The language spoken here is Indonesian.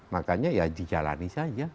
makanya ya dijalani saja